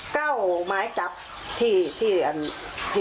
เก้าหมายจับพี่ที่แก้งความอ่ายนะฮะ